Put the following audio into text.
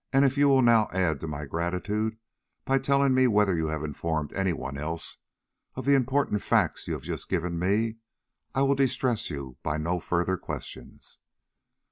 If you will now add to my gratitude by telling me whether you have informed any one else of the important facts you have just given me, I will distress you by no further questions."